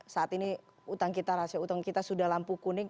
saat ini hutang kita sudah lampu kuning